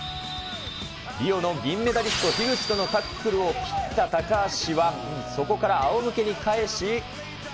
リオの銀メダリスト、樋口とのタックルを切った高橋は、そこからあおむけに返し。